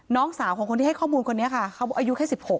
น้องสาวของคนที่ให้ข้อมูลคนนี้ค่ะเขาอายุแค่๑๖